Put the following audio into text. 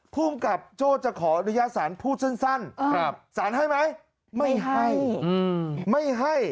ผู้กำกกับโจ้จะขออนุญาตศาลพูดสั้นครับสารให้ไหมไม่ให้ไม่ให้